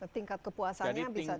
tingkat kepuasannya bisa dimuat